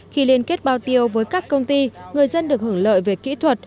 khi liên kết bao tiêu với các công ty người dân được hưởng lợi về kỹ thuật